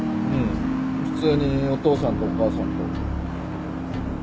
普通にお父さんとお母さんと。